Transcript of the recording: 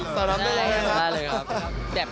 ที่เราทำได้เลยครับฮะครับใช่จำได้เลยครับ